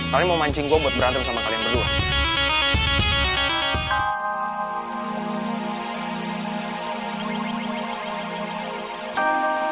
kalian mau mancing gue buat berantem sama kalian berdua